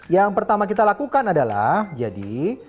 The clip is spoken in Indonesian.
yang pertama kita lakukan adalah jadi